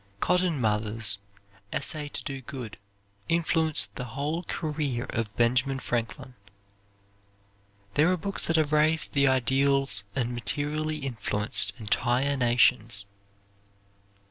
Cotton Mather's "Essay to Do Good" influenced the whole career of Benjamin Franklin. There are books that have raised the ideals and materially influenced entire nations.